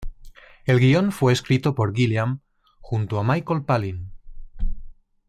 El guion fue escrito por Gilliam junto a Michael Palin.